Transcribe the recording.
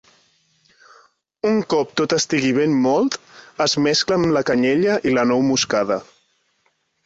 Un cop tot estigui ben mòlt, es mescla amb la canyella i la nou moscada.